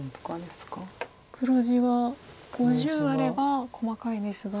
黒地は５０あれば細かいですが。